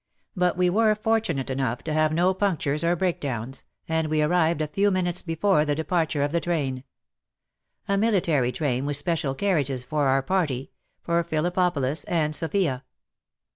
But we were fortunate enough to have no punctures or breakdowns, and we arrived a few minutes before the departure of the train — a miHtary train with special carriages for our party — for Phillippopolis and Sofia.